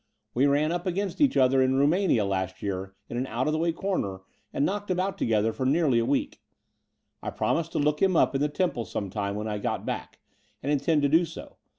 We ran up against each other in Rumania last year in an out of the way comer and knocked about together for nearly a week. I promised to look him up in the Temple some time when I got back, and intend to do so.